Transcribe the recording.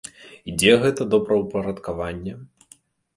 І дзе гэта добраўпарадкаванне?